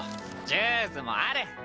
ジュースもある！